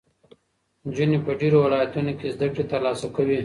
نجونې په ډېرو ولایتونو کې زده کړې ترلاسه کوي.